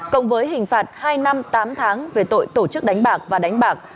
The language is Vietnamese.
cộng với hình phạt hai năm tám tháng về tội tổ chức đánh bạc và đánh bạc